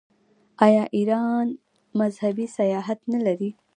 آیا ایران مذهبي سیاحت نلري؟